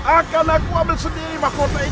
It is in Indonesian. aku yang patas mendapatkan mahu